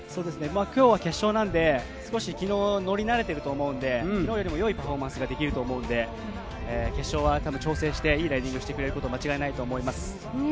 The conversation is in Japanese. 今日は決勝なんで、少し昨日乗り慣れていると思うんで、昨日より良いパフォーマンスができると思うんで、決勝は調整して、いいライディングしてくれるのは間違いないと思います。